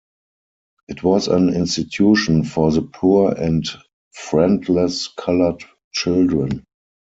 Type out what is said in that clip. It was an institution for the poor and friendless colored children.